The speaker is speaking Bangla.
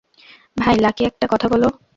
ভাই, লাকি, একটা কথা বল।